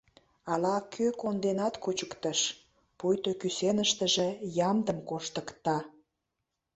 Ала-кӧ конденат кучыктыш, пуйто кӱсеныштыже ямдым коштыкта.